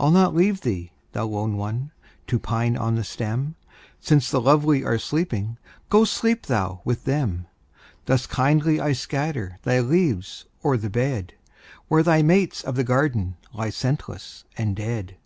I'll not leave thee, thou lone one! To pine on the stem; Since the lovely are sleeping, Go, sleep thou with them. Thus kindly I scatter Thy leaves o'er the bed, Where thy mates of the garden Lie scentless and dead.